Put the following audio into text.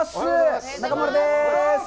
中丸です！